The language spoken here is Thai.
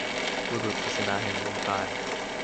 บุรุษปริศนาแห่งวงการ